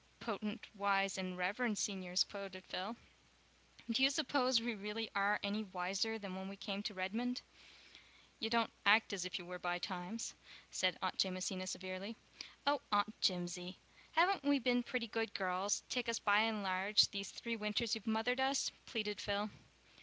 "'Potent, wise, and reverend Seniors,'" quoted Phil. "Do you suppose we really are any wiser than when we came to Redmond?" "You don't act as if you were by times," said Aunt Jamesina severely. "Oh, Aunt Jimsie, haven't we been pretty good girls, take us by and large, these three winters you've mothered us?" pleaded Phil.